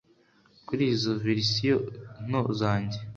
Kuri izo verisiyo nto zanjye